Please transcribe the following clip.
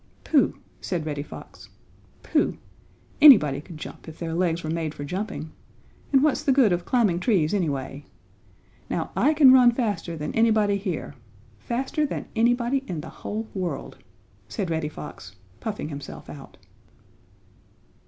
"Pooh!" said Reddy Fox, "pooh! Anybody could jump if their legs were made for jumping. And what's the good of climbing trees anyway? Now I can run faster than anybody here faster than anybody in the whole world!" said Reddy Fox, puffing himself out.